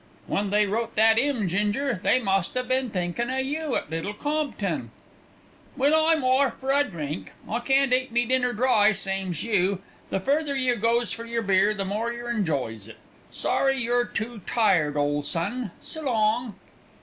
When they wrote that 'ymn, Ginger, they must 'ave been thinkin' o' you at Little Compton. "Well, I'm orf for a drink; I can't eat me dinner dry, same's you. The further yer goes for yer beer the more yer enjoys it. Sorry you're too tired, ole son. S' long!"